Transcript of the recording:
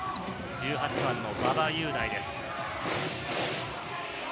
１８番の馬場雄大です。